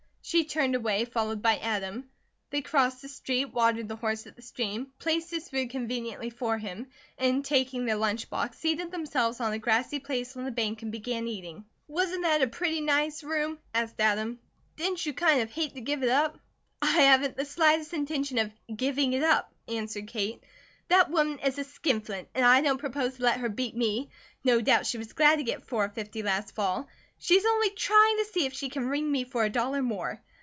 She turned away, followed by Adam. They crossed the street, watered the horse at the stream, placed his food conveniently for him, and taking their lunch box, seated themselves on a grassy place on the bank and began eating. "Wasn't that a pretty nice room?" asked Adam. "Didn't you kind of hate to give it up?" "I haven't the slightest intention of giving it up," answered Kate. "That woman is a skin flint and I don't propose to let her beat me. No doubt she was glad to get four fifty last fall. She's only trying to see if she can wring me for a dollar more.